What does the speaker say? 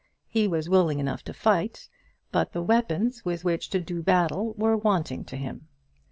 He was willing enough to fight, but the weapons with which to do battle were wanting to him.